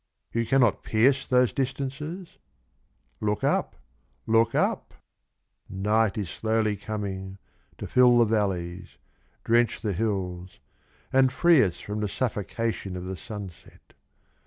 You cannot pierce those distances ? Look up ! Look up ! Night is slowly coming to fill the valleys, Drench the hills, and free us From the suffocation of the sunset.